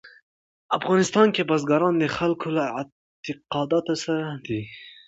په افغانستان کې بزګان د خلکو له اعتقاداتو سره دي.